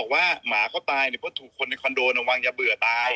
หมาเขาตายเพราะถูกคนในคอนโดวางยาเบื่อตาย